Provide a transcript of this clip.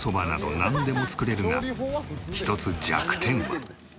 なんでも作れるが一つ弱点は。